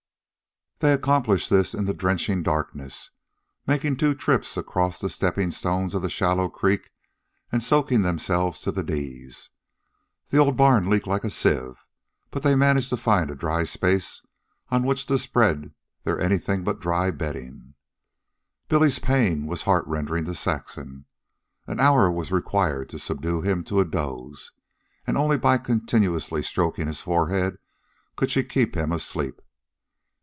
They accomplished this in the drenching darkness, making two trips across the stepping stones of the shallow creek and soaking themselves to the knees. The old barn leaked like a sieve, but they managed to find a dry space on which to spread their anything but dry bedding. Billy's pain was heart rending to Saxon. An hour was required to subdue him to a doze, and only by continuously stroking his forehead could she keep him asleep.